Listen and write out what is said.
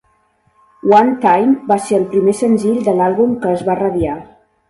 "One Time" va ser el primer senzill de l'àlbum que es va radiar.